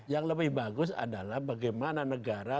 yang lebih bagus adalah bagaimana negara